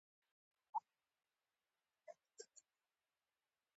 برښنا ولې باید بې ځایه ونه لګیږي؟